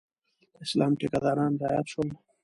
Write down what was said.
د اسلام ټیکداران رایاد شول.